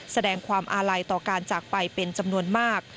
แสดงความอาลัยต่อการจากไปเป็นจำนวนมาก